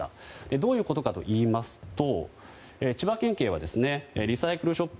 どういうことかといいますと千葉県警はリサイクルショップ